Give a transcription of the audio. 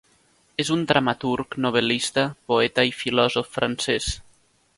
És un dramaturg, novel·lista, poeta i filòsof francès.